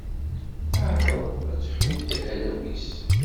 Teɛṛeḍ ad tḥudd arraw-is.